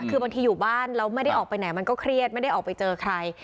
คือบางทีอยู่บ้านแล้วไม่ได้ออกไปไหนมันก็เครียดไม่ได้ออกไปเจอใคร